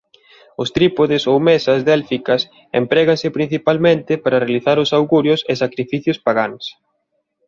Os trípodes ou mesas délficas empregábanse principalmente para realizar os augurios e sacrificios pagáns.